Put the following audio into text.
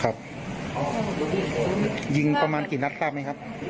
ยิงประมาณกี่นัดทราบไหมครับ